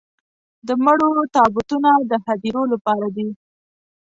د مړو تابوتونه د هديرو لپاره دي.